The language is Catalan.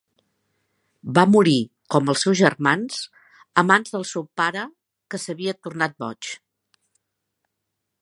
Va morir, com els seus germans, a mans del seu pare que s'havia tornat boig.